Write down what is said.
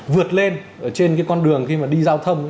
vượt lên trên cái con đường khi mà đi giao thâm